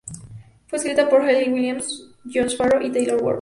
Fue escrita por Hayley Williams, Josh Farro y Taylor York.